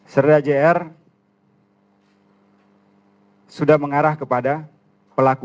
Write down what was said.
serda jr sudah mengarah kepada pelaku